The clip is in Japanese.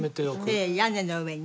ええ屋根の上に。